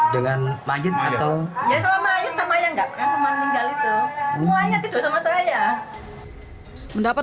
dengan majet atau ya sama yang enggak kan cuma tinggal itu semuanya tidur sama saya mendapat